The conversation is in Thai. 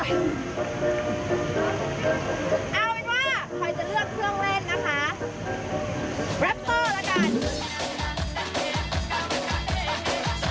เอาเป็นว่าคุณฯจะเลือกเครื่องเล่นนะคะ